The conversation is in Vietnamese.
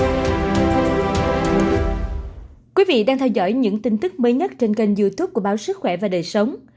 thưa quý vị đang theo dõi những tin tức mới nhất trên kênh youtube của báo sức khỏe và đời sống